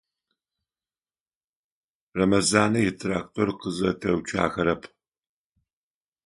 Рэмэзанэ итрактор къызэтеуцуахэрэп.